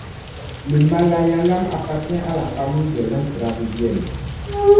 Le malayalam appartient à la famille des langues dravidiennes.